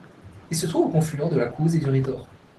Il se trouve au confluent de la Couze et du Ritord.